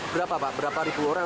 berapa pak berapa ribu orang